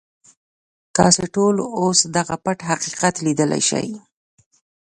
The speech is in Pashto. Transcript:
تاسې ټول اوس دغه پټ حقیقت ليدلی شئ.